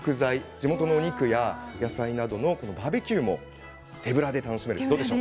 地元のお肉や野菜などバーベキューを手ぶらで楽しめます。